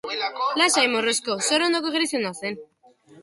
Lasai, morrosko, soro ondoko gereziondoa zen.